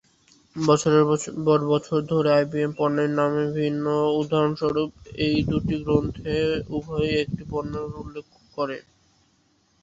বছরের পর বছর ধরে আইবিএম পণ্যের নাম ভিন্ন; উদাহরণস্বরূপ, এই দুটি গ্রন্থে উভয়ই একই পণ্যটি উল্লেখ করে।